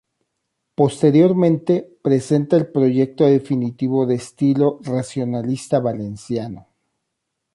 Posteriormente, presenta el proyecto definitivo de estilo racionalista valenciano.